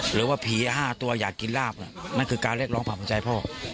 หรือว่าผี๕ตัวอยากกินลาบนั่นคือการเรียกร้องผ่านหัวใจพ่อ